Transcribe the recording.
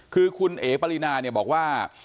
คือคือเองปริณาบอกว่า